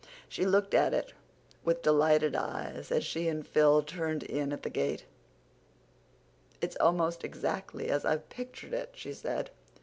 She looked at it with delighted eyes, as she and Phil turned in at the gate. "It's almost exactly as I've pictured it," she said.